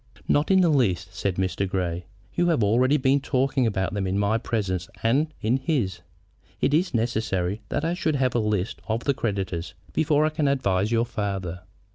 "Not in the least," said Mr. Grey. "You have already been talking about them in my presence and in his. It is necessary that I should have a list of the creditors before I can advise your father."